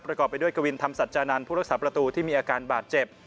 ประกอบไปด้วยกวินธรรมสัจจานันทร์ผู้รักษาประตูที่มีอาการบาดเจ็บ